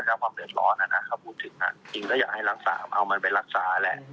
ร่วมเหมือนกันมนุษย์เหมือนกัน